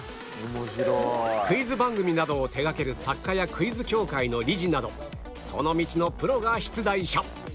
クイズ番組などを手がける作家やクイズ協会の理事などその道のプロが出題者